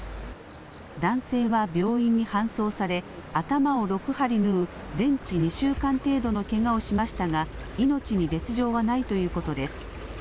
男性は病院に搬送され頭を６針縫う全治２週間程度のけがをしましたが命に別状はないということです。